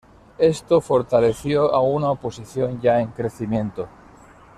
Esto fortaleció a una oposición ya en crecimiento.